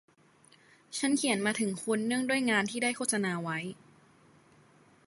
ฉันเขียนมาถึงคุณเนื่องด้วยงานที่ได้โฆษณาไว้